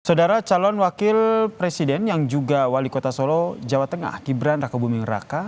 saudara calon wakil presiden yang juga wali kota solo jawa tengah gibran raka buming raka